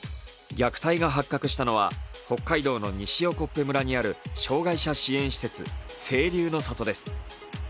虐待が発覚したのは、北海道の西興部村にある障害者支援施設・清流の里です。